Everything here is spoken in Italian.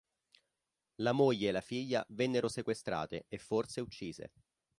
La moglie e la figlia vennero sequestrate e forse uccise.